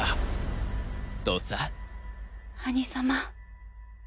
兄様。